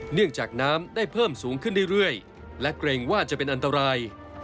เนื่องจากน้ำได้เพิ่มสูงขึ้นเรื่อย